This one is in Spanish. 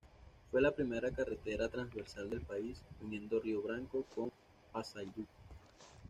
Fue la primera carretera transversal del país, uniendo Río Branco con Paysandú.